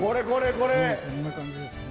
こんな感じですね。